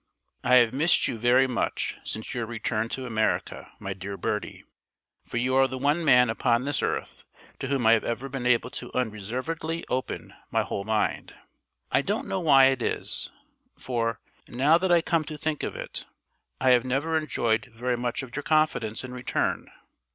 I have missed you very much since your return to America, my dear Bertie, for you are the one man upon this earth to whom I have ever been able to unreservedly open my whole mind. I don't know why it is; for, now that I come to think of it, I have never enjoyed very much of your confidence in return.